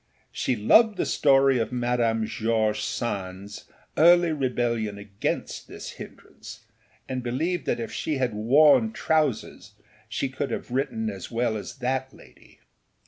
She loved the story of Madame George Sandâs early rebellion against this hindrance, and believed that if she had worn trousers she could have written as well as that lady.